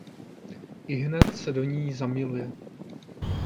Ihned se do ní zamiluje.